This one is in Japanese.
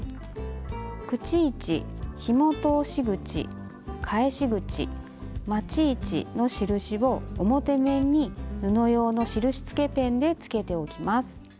口位置ひも通し口返し口まち位置の印を表面に布用の印つけペンでつけておきます。